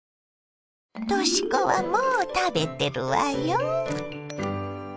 とし子はもう食べてるわよ。